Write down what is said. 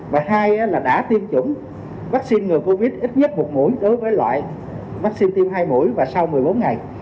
và hai là đã tiêm chủng vắc xin người covid ít nhất một mũi đối với loại vắc xin tiêm hai mũi và sau một mươi bốn ngày